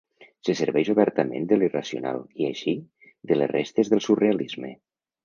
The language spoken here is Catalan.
Se serveix obertament de l'irracional, i així, de les restes del surrealisme.